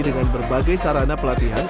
dengan berbagai sarana pelatihan